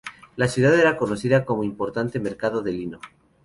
La ciudad era conocida como importante mercado de lino.